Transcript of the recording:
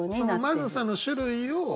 その「まずさ」の種類を。